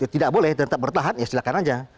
tidak boleh tetap bertahan ya silahkan aja